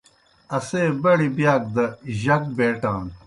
اسے بڑیْ بِیاک دہ جک بیٹان۔